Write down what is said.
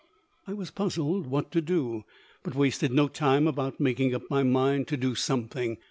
I was puzzled what to do, but wasted no time about making up my mind to do something.